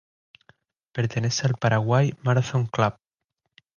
Pertenece al Paraguay Marathon Club.